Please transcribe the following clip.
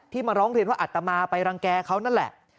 มาร้องเรียนว่าอัตมาไปรังแก่เขานั่นแหละ